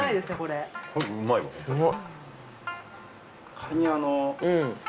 すごい。